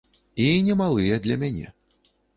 І немалыя для мяне.